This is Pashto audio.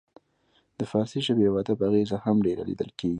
د فارسي ژبې او ادب اغیزه هم ډیره لیدل کیږي